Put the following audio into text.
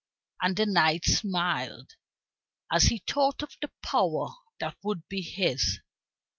And the knight smiled as he thought of the power that would be his.